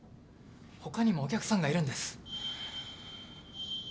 他にもお客さんがいるんです。